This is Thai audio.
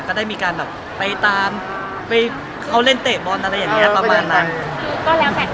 ก็ได้มีการแบบไปตามไปเขาเล่นเตะบอลอะไรอย่างเงี้ยประมาณนั้นคือก็แล้วแบบ